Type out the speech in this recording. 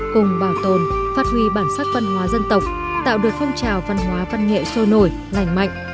cùng bảo tồn phát huy bản sắc văn hóa dân tộc tạo được phong trào văn hóa văn nghệ sôi nổi lành mạnh